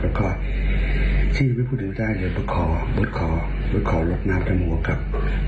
แล้วก็ที่ไม่พูดถึงได้เดี๋ยวบดคอบดคอบดคอหลบน้ำทั้งหมวกับ